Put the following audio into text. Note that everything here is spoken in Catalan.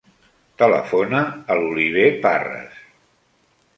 Telefona a l'Oliver Parres.